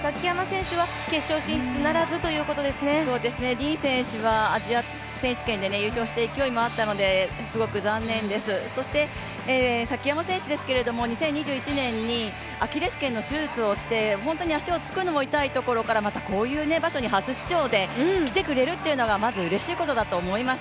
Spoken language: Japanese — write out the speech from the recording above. ディーン選手はアジア選手権で優勝して勢いもあったのですごく残念です、そして崎山選手ですけれども、２０２１年にアキレスけんの手術をして本当に足をつくのも痛いところからまたこういう場所に初出場できてくれるというのがまずうれしいことだと思います。